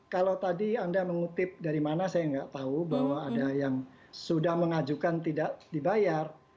kalau tadi anda mengutip dari mana saya nggak tahu bahwa ada yang sudah mengajukan tidak dibayar